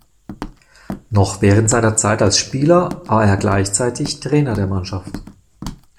Noch während seiner Zeit als Spieler war er gleichzeitig Trainer der Mannschaft.